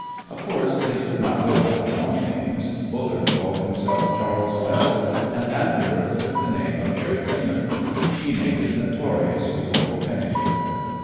Of course, they could not go by their own names. Bullard called himself Charles Wells, and Adam Worth took the name of Harry Raymond. He made it notorious before he finished with it.